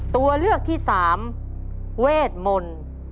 ตัวเลือกที่สามเวทมนต์